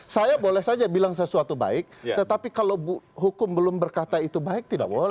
saya boleh saja bilang sesuatu baik tetapi kalau hukum belum berkata itu baik tidak boleh